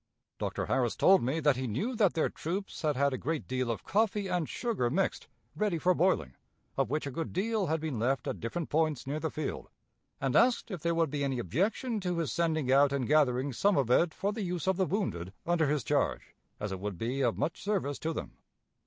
Dr. Harris told me that he knew that their troops had had a great deal of coffee and sugar mixed, ready for boiling, of which a good deal had been left at different points near the field, and asked if there would be any objection to his sending out and gathering some of it for the use of the wounded under his charge, as it would be of much service to them.